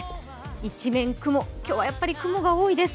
一面、雲、今日はやっぱり雲が多いです。